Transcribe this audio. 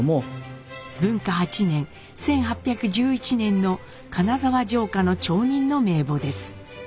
文化８年１８１１年の金沢城下の町人の名簿です。